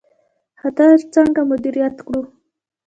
خطر څنګه مدیریت کړو؟